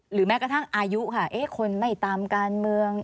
แม้กระทั่งอายุค่ะคนไม่ตามการเมือง